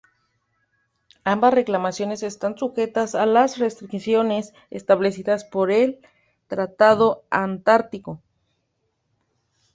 Ambas reclamaciones están sujetas a las restricciones establecidas por el Tratado Antártico.